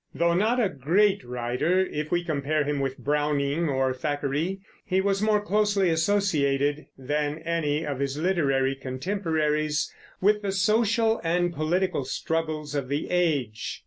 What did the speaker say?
Though not a great writer, if we compare him with Browning or Thackeray, he was more closely associated than any of his literary contemporaries with the social and political struggles of the age.